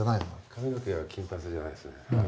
髪の毛は金髪じゃないですね。